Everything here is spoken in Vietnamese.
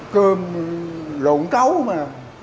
cơm lộn trấu mà